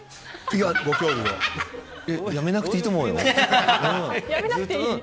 いや、やめなくていいと思うよ。